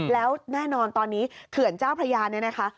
แล้วแน่นอนตอนนี้เขื่อนเจ้าพระยาเนี่ยนะคะ